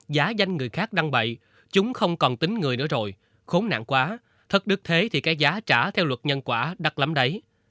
giá danh người khác đăng bậy chúng không còn tính người nữa rồi khốn nặng quá thất đức thế thì cái giá trả theo luật nhân quả đặt lắm đấy